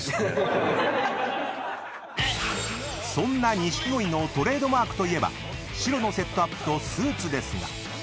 ［そんな錦鯉のトレードマークといえば白のセットアップとスーツですが］